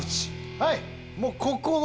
はい！